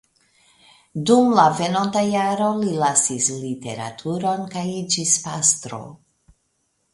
Dum la venonta jaro li lasis literaturon kaj iĝis pastro.